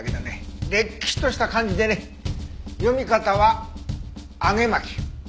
れっきとした漢字でね読み方は「あげまき」。